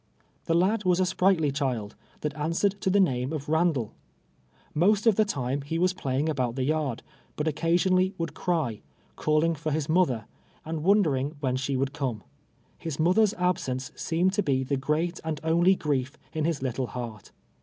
The lad was a sprightly child, that answered to the uame of Randall. Most of the time he was playing al)0ut tlie yard, but occasionally v.'ould ci y, calling fitr liis mother, auAl wondering Mdien she would come. His mother's abseuce seemed to be the great audonly grief iu his little heart.